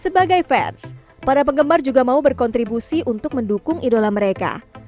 sebagai fans para penggemar juga mau berkontribusi untuk mendukung idola mereka